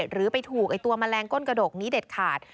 หรือไปถูกตัวแมลงก้นกระดกนี้เด็ดขาด